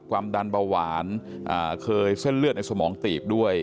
ความดันเบาหวานเคยเส้นเลือดในสมองตีบด้วย